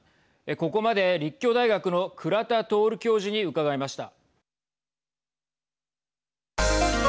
ここまで立教大学の倉田徹教授に伺いました。